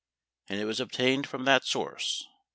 And it was obtained from that source.